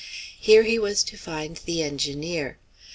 Here he was to find the engineer.